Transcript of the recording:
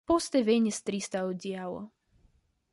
Poste venis trista adiaŭo.